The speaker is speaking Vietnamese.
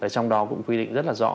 trong đó cũng quy định rất là rõ